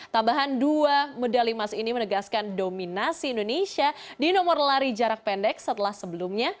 tambahan dua medali emas ini menegaskan dominasi indonesia di nomor lari jarak pendek setelah sebelumnya